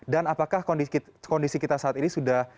dan apakah kondisi kita saat ini sudah